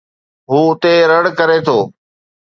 هو اتي رڙ ڪري ٿو